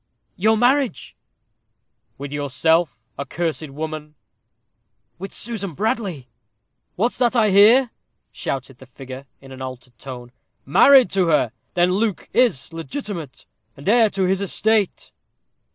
"Your marriage." "With yourself, accursed woman?" "With Susan Bradley." "What's that I hear?" shouted the figure, in an altered tone. "Married to her! then Luke is legitimate, and heir to this estate!"